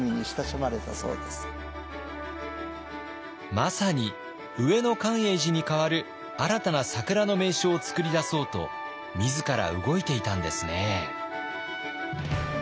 まさに上野寛永寺に代わる新たな桜の名所を作り出そうと自ら動いていたんですね。